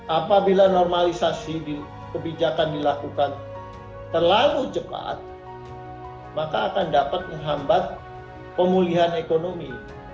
apabila normalisasi kebijakan dilakukan terlalu cepat maka akan dapat menghambat pemulihan ekonomi